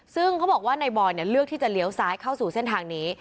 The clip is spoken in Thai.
ซึ่งเขาบอกว่านายบอยเลือกที่จะเลี้ยวซ้ายเข้าสู่เส้นทางนี้